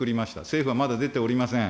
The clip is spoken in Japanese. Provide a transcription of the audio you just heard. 政府はまだ出ておりません。